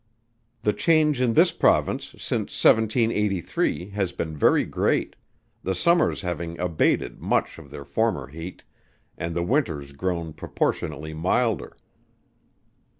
The change in this Province since 1783, has been very great the summers having abated much of their former heat, and the winters grown proportionately milder.